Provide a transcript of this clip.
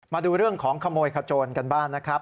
มาดูเรื่องของขโมยขโจรกันบ้างนะครับ